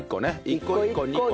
１個１個２個。